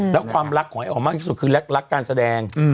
แล้วความรักของไอ้อ๋อมากที่สุดคือรักการแสดง